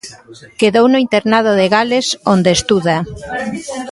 Quedou no internado de Gales onde estuda.